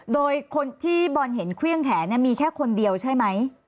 โดยคนที่บอลเห็นเครื่องแขนมีแค่คนเดียวใช่ไหม